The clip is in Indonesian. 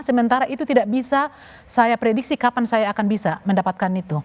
sementara itu tidak bisa saya prediksi kapan saya akan bisa mendapatkan itu